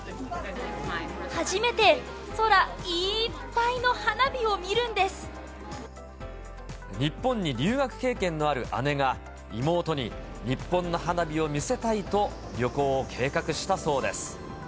初めて空いーっぱいの花火を日本に留学経験のある姉が、妹に日本の花火を見せたいと、旅行を計画したそうです。